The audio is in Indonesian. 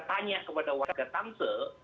tanya kepada warga tamsil